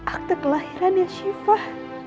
akte kelahiran ya sifah